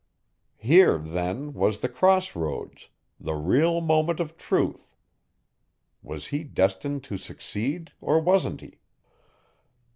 Here, then, was the crossroads, the real moment of truth: was he destined to succeed, or wasn't he?